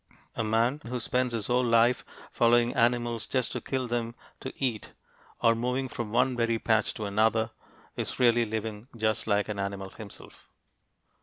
A man who spends his whole life following animals just to kill them to eat, or moving from one berry patch to another, is really living just like an animal himself.